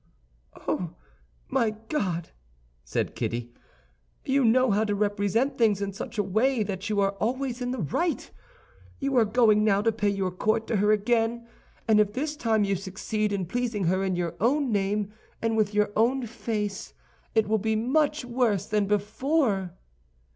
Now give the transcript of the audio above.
"Oh, my God!" said Kitty, "you know how to represent things in such a way that you are always in the right. You are going now to pay your court to her again, and if this time you succeed in pleasing her in your own name and with your own face, it will be much worse than before."